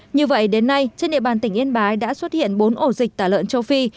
như vậy đến nay trên địa bàn tỉnh yên bái đã xuất hiện bốn ổ dịch tả lợn châu phi